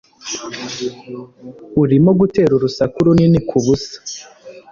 Urimo gutera urusaku runini kubusa.